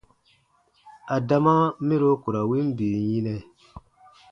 Adama mɛro ku ra win bii yinɛ.